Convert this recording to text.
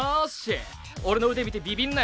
俺の腕見てビビんなよ！